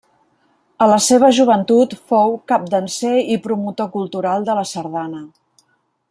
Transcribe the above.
A la seva joventut fou capdanser i promotor cultural de la sardana.